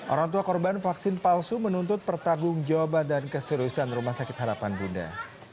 orang tua korban vaksin palsu menuntut pertanggung jawaban dan keseriusan rumah sakit harapan bunda